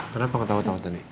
kenapa ketawa ketawa tadi